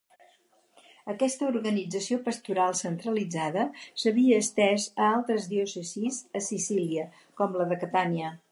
Aquesta organització pastoral centralitzada s'havia estès a altres diòcesis a Sicília, com la de Catània.